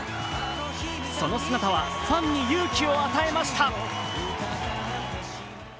その姿はファンに勇気を与えました。